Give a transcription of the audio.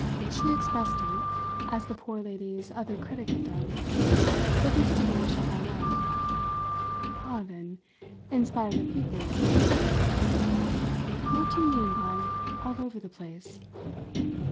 She expressed it as the poor lady's other critic had done, but this didn't shut my mouth. "Ah, then, in spite of the people, you did notice. What do you mean by 'all over the place'?"